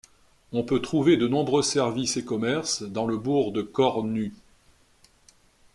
On peut trouver de nombreux services et commerces dans le bourg de Corps-Nuds.